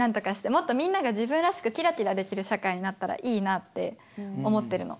もっとみんなが自分らしくキラキラできる社会になったらいいなって思ってるの。